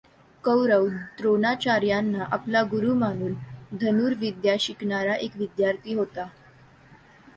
कौरव द्रोणाचार्यांना आपला गुरु मानून धनुर्विद्या शिकणारा एक विद्यार्थी होता.